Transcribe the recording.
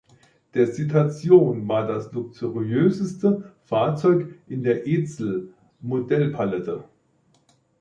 Der Citation war das luxuriöseste Fahrzeug in der Edsel-Modellpalette.